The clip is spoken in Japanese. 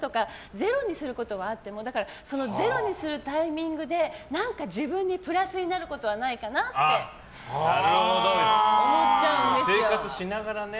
ゼロにすることはあってもゼロにするタイミングで何か自分にプラスになることは生活しながらね。